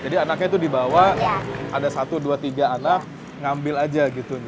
jadi anaknya itu dibawa ada satu dua tiga anak ngambil aja gitu